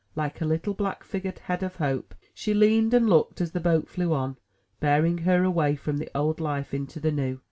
Like a little black figure head of Hope, she leaned and looked, as the boat flew on, bearing her away from the old life into the new.